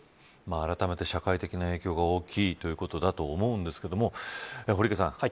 あらためて、社会的な影響が大きいということだと思いますが堀池さん